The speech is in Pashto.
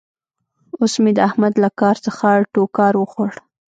اوس مې د احمد له کار څخه ټوکار وخوړ.